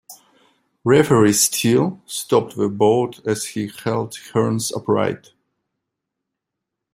Referee Steele stopped the bout as he held Hearns upright.